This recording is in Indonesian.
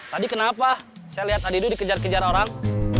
tadi kenapa saya lihat adidu dikejar kejar orang